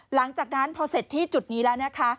หลังจากนั้นพอเสร็จที่จุดนี้แล้วนะคะ